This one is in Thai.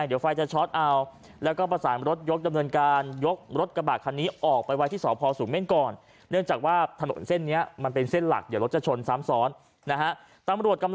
เพราะสอบไฟมันล้มไงเดี๋ยวไฟจะรถคลับ